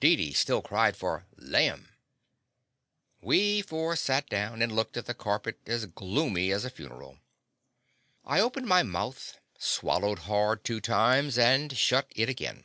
Deedee still cried for "laim." We four sat down, and looked at the carpet, as gloomy as a funeral. I The Confessions of a Daddy opened my mouth, swallowed hard two times, and shut it again.